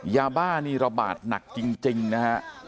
ยาบ้านี่ระบาดหนักจริงนะฮะ